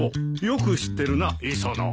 よく知ってるな磯野。